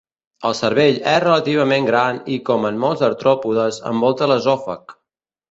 El cervell és relativament gran i, com en molts artròpodes, envolta l'esòfag.